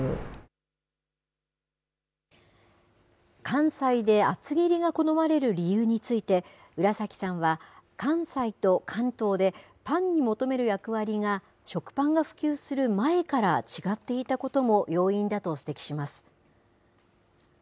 関西で厚切りが好まれる理由について、浦崎さんは、関西と関東で、パンに求める役割が、食パンが普及する前から違っていたことも要因だと指摘します。